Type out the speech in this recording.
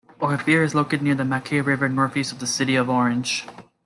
Ophir is located near the Macquarie River northeast of the city of Orange.